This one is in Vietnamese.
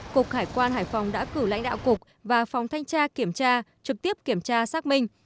cục hải quan hải phòng đã cử lãnh đạo cục và phòng thanh tra kiểm tra trực tiếp kiểm tra xác minh